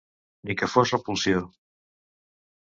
Ni que fos repulsió.